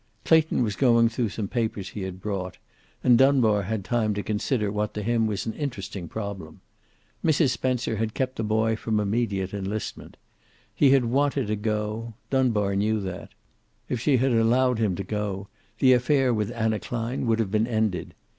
Clayton was going through some papers he had brought, and Dunbar had time to consider what to him was an interesting problem. Mrs. Spencer had kept the boy from immediate enlistment. He had wanted to go; Dunbar knew that. If she had allowed him to go the affair with Anna Klein would have been ended.